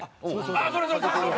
あっそれそれそれ！